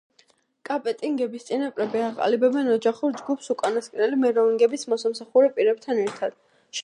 კაპეტინგების წინაპრები აყალიბებენ ოჯახურ ჯგუფს უკანასკნელი მეროვინგების მომსახურე პირებთან ერთად.